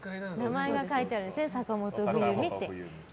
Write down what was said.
名前が書いてありますね坂本冬美って。